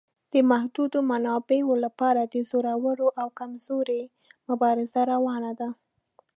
د محدودو منابعو لپاره د زورور او کمزوري مبارزه روانه ده.